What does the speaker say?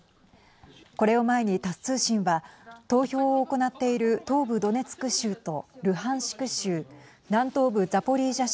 これを前に、タス通信は投票を行っている東部ドネツク州とルハンシク州南東部サポリージャ